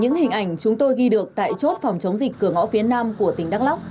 những hình ảnh chúng tôi ghi được tại chốt phòng chống dịch cửa ngõ phía nam của tỉnh đắk lóc